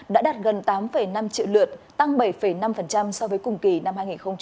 đã đạt gần tám năm triệu lượt tăng bảy năm so với cùng kỳ năm hai nghìn một mươi tám